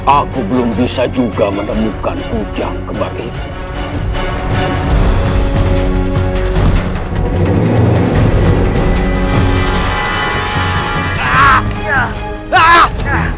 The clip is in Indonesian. aku belum bisa juga menemukan ujang kebaik